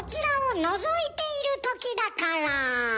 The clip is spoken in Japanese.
のぞいているときだから。